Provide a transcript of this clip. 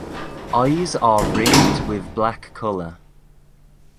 Eyes are ringed with black colour.